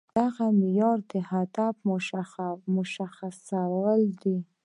دغه معيار د هدف مشخصول دي.